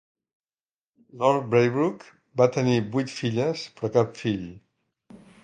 Lord Braybrooke va tenir vuit filles, però cap fill.